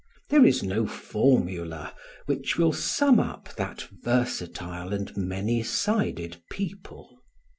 There is no formula which will sum up that versatile and many sided people.